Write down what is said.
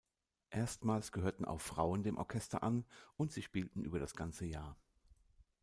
Erstmals gehörten auch Frauen dem Orchester an und sie spielten über das ganze Jahr.